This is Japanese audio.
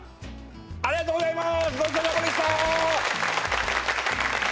ありがとうございます！